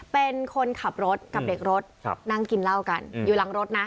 เป็นคนขับรถกับเด็กรถนั่งกินเหล้ากันอยู่หลังรถนะ